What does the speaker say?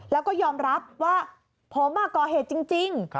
แล้วก็ยอมรับว่าผมก่อเหตุจริง